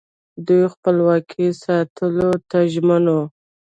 دوی خپلواکي ساتلو ته ژمن وو